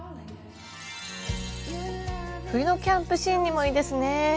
冬のキャンプシーンにもいいですねぇ。